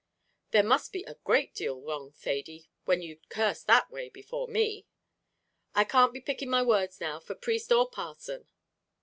"There must be a great deal wrong, Thady, when you'd curse that way before me." "I can't be picking my words now, for priest or parson."